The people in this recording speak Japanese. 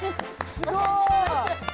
すごーい！